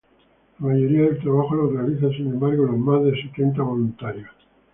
La mayoría del trabajo lo realizan sin embargo los más de setenta voluntarios.